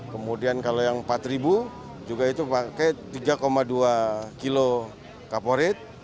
kemudian kalau yang empat juga itu pakai tiga dua kilo kaporit